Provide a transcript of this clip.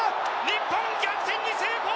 日本逆転に成功！